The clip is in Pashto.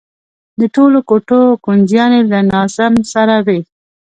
د ټولو کوټو کونجيانې له ناظم سره وي.